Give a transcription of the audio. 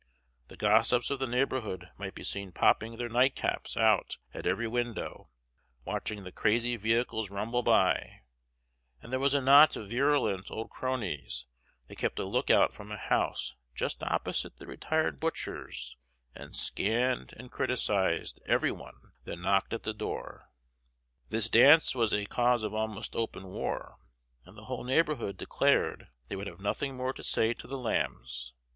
The gossips of the neighborhood might be seen popping their night caps out at every window, watching the crazy vehicles rumble by; and there was a knot of virulent old cronies that kept a look out from a house just opposite the retired butcher's and scanned and criticised every one that knocked at the door. This dance was a cause of almost open war, and the whole neighborhood declared they would have nothing more to say to the Lambs.